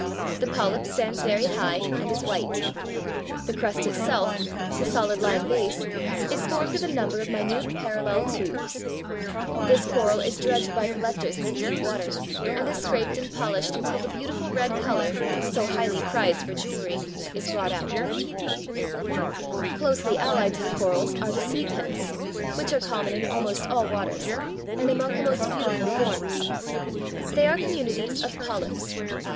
The polyp stands very high and is white. The crust itself, the solid lime base, is formed of a number of minute parallel tubes. This coral is dredged by collectors in the deep water and is scraped and polished until the beautiful red color, so highly prized for jewelry, is brought out. [Illustration: FIG. 41. Sea fan (Gorgonia).] [Illustration: FIG. 42. Sea pen.] Closely allied to the corals are the sea pens (Fig. 42) which are common in almost all waters, and among the most beautiful forms. They are communities of polyps.